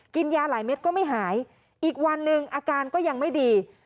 กินยาหลายเม็ดก็ไม่หายอีกวันหนึ่งอาการก็ยังไม่ดี